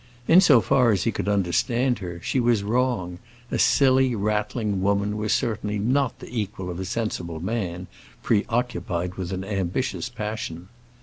In so far as he could understand her, she was wrong; a silly, rattling woman was certainly not the equal of a sensible man, preoccupied with an ambitious passion.